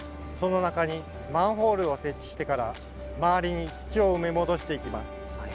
その中にマンホールを設置してから周りに土を埋め戻していきます。